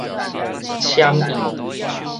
簽印